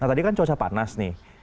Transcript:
nah tadi kan cuaca panas nih